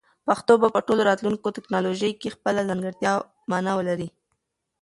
پښتو به په ټولو راتلونکو ټکنالوژیو کې خپله ځانګړې مانا ولري.